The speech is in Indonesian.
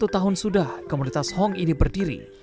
dua puluh satu tahun sudah komunitas hong ini berdiri